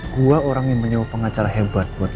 gua orang yang menyebut pengacara hebat buat lo gitu